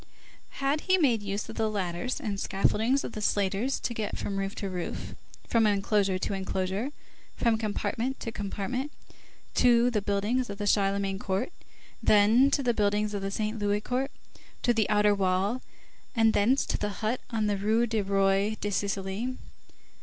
Had he made use of the ladders and scaffoldings of the slaters to get from roof to roof, from enclosure to enclosure, from compartment to compartment, to the buildings of the Charlemagne court, then to the buildings of the Saint Louis court, to the outer wall, and thence to the hut on the Rue du Roi de Sicile?